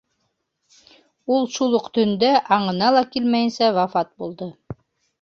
Ул шул уҡ төндә, аңына ла килмәйенсә, вафат булды.